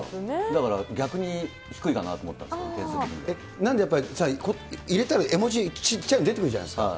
だから、逆に低いかな？と思なんでやっぱり、入れたら絵文字、ちっちゃいの出てくるじゃないですか。